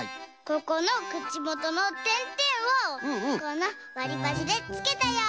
ここのくちもとのてんてんをこのわりばしでつけたよ。